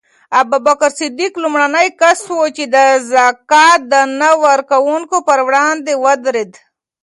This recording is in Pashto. ابوبکر صدیق لومړنی کس و چې د زکات د نه ورکوونکو پر وړاندې ودرېد.